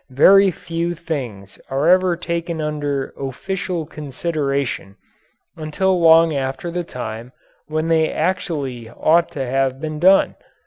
Very few things are ever taken under "official consideration" until long after the time when they actually ought to have been done.